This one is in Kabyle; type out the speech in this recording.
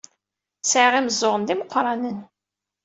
Sɛiɣ imeẓẓuɣen d imeqranen.